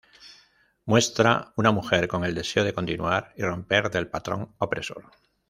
Muestra una mujer con el deseo de continuar y romper del patrón opresor.